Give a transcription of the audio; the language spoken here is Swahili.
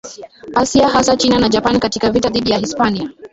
Asia hasa China na Japani Katika vita dhidi Hispania